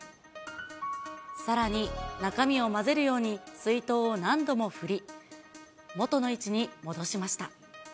さらに、中身を混ぜるように水筒を何度も振り、元の位置に戻しました。